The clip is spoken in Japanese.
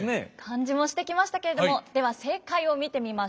感じもしてきましたけれどもでは正解を見てみましょう。